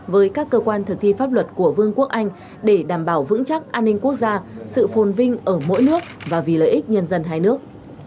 với các cơ quan thực thi pháp luật của vương quốc anh để đảm bảo vững chắc an ninh quốc gia sự phồn vinh ở mỗi nước và vì lợi ích nhân dân hai nước